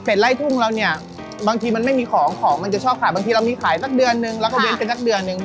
ไล่ทุ่งเราเนี่ยบางทีมันไม่มีของของมันจะชอบขายบางทีเรามีขายสักเดือนนึงแล้วก็เว้นกันสักเดือนนึง